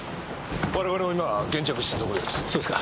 我々も今現着したところです。